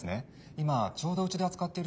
今ちょうどうちで扱っている商品に。